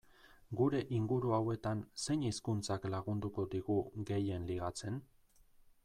Gure inguru hauetan, zein hizkuntzak lagunduko digu gehien ligatzen?